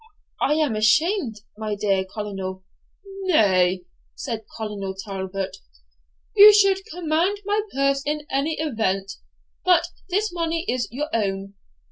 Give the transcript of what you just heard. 'I am ashamed, my dear Colonel ' 'Nay,' said Colonel Talbot, 'you should command my purse in any event; but this money is your own.